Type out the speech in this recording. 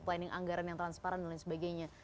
selain yang anggaran yang transparan dan lain sebagainya